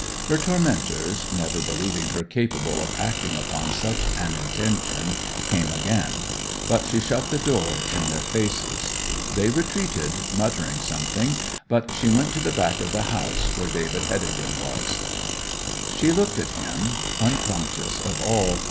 Her tormentors, never believing her capable of acting upon such an intention, came again; but she shut the door in their faces. They retreated, muttering something; but she went to the back of the house, where David Heddegan was. She looked at him, unconscious of all.